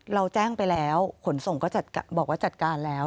เราแจ้งไปแล้วขนส่งก็บอกว่าจัดการแล้ว